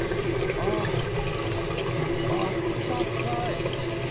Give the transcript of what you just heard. あったかい！